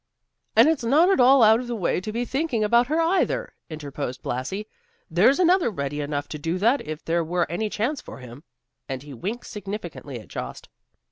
"And it's not at all out of the way to be thinking about her, either," interposed Blasi, "there's another ready enough to do that if there were any chance for him," and he winked significantly at Jost.